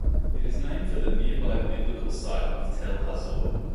It is named for the nearby biblical site of Tel Hazor.